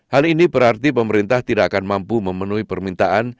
hal ini berarti pemerintah tidak akan mampu memenuhi permintaan